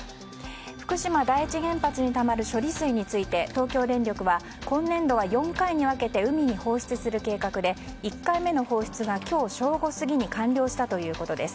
福島第一原発にたまる処理水について東京電力は今年度は４回に分けて海に放出する計画で１回目の放出は今日正午過ぎに完了したということです。